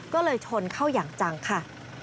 ก็เลยชนเข้าอย่างจังค่ะ